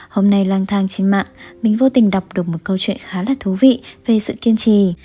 hôm nay lang thang trên mạng mình vô tình đọc được một câu chuyện khá là thú vị về sự kiên trì